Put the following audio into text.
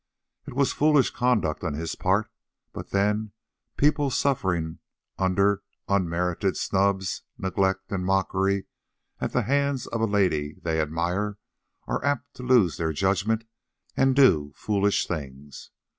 It was foolish conduct on his part, but then people suffering under unmerited snubs, neglect, and mockery at the hands of a lady they admire are apt to lose their judgment and do foolish things.